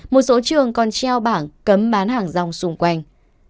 một số trường còn treo bảng cấm bán hàng rong xung quanh